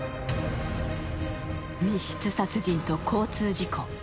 密室殺人と交通事故。